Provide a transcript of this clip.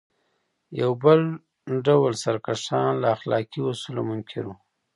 یو بل ډول سرکښان له اخلاقي اصولو منکر وو.